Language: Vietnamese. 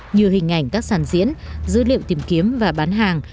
như hình ảnh các sản diễn dữ liệu tìm kiếm và bán hàng